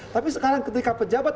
tapi sekarang ketika pejabat